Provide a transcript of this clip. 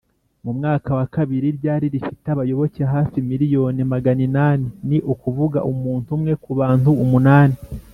mu mwaka wa bibiri ryari rifite abayoboke hafi miriyoni maganinani ni ukuvuga umuntu umwe ku bantu umunani